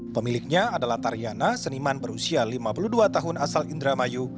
pemiliknya adalah tariana seniman berusia lima puluh dua tahun asal indramayu